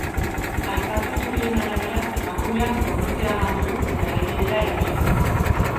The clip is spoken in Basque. Aipatu iturrien arabera, emakumeak konortea galdu du eta errepidera erori da.